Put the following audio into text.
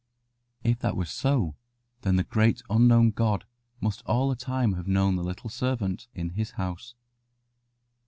If that was so, then the great unknown God must all the time have known the little servant in His house.